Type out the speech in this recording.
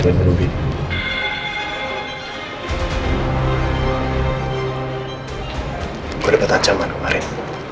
gue dapet ancaman kemarin